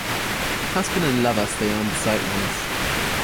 Husband and lover stay on the sidelines.